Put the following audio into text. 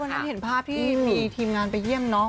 นั้นเห็นภาพที่มีทีมงานไปเยี่ยมน้อง